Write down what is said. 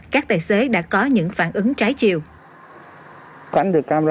các tài xế đã có những phản ứng trái chiều